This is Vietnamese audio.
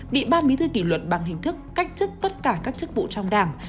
bị ban bí thư kỷ luật bằng hình thức cách chức tất cả các chức vụ trong đảng